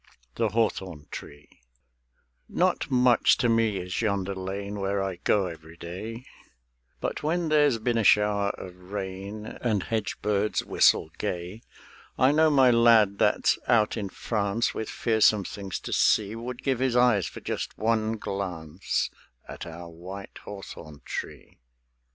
THE HAWTHORN TREE Not much to me is yonder lane Where I go every day; But when there's been a shower of rain And hedge birds whistle gay, I know my lad that's out in France With fearsome things to see Would give his eyes for just one glance At our white hawthorn tree.